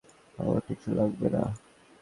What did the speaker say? আমার টিস্যু লাগবে না।